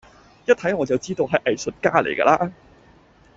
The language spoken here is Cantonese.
一睇我就知道係藝術家嚟㗎啦